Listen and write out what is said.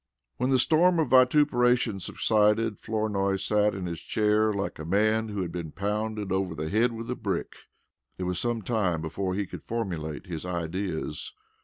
When the storm of vituperation subsided, Flournoy sat in his chair like a man who had been pounded over the head with a brick. It was some time before he could formulate his ideas.